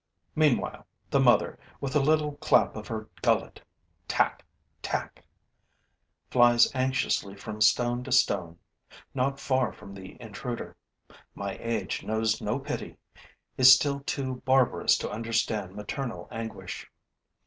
Meanwhile, the mother, with a little clap of her gullet 'Tack! Tack!' flies anxiously from stone to stone, not far from the intruder. My age knows no pity, is still too barbarous to understand maternal anguish.